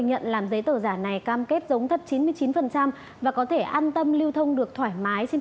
nhận làm giấy tờ giả này cam kết giống thật chín mươi chín phần trăm và có thể an tâm lưu thông được thoải mái trên